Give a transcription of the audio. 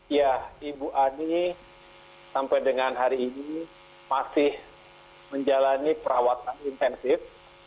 ya ibu ani sampai dengan hari ini masih menjalani perawatan intensif